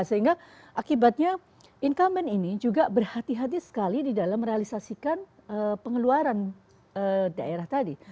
sehingga akibatnya income ini juga berhati hati sekali di dalam merealisasikan pengeluaran daerah tadi